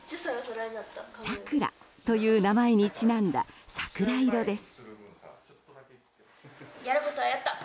さくらという名前にちなんだ桜色です。